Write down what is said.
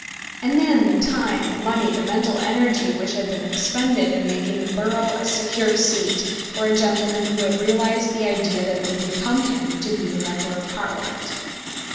And then the time, the money, the mental energy, which had been expended in making the borough a secure seat for a gentleman who had realised the idea that it would become him to be a member of Parliament!